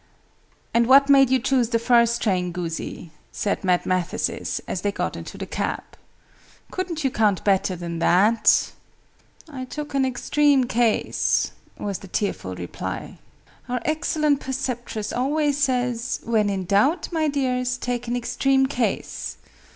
"And what made you choose the first train, Goosey?" said Mad Mathesis, as they got into the cab. "Couldn't you count better than that?" "I took an extreme case," was the tearful reply. "Our excellent preceptress always says 'When in doubt, my dears, take an extreme case.'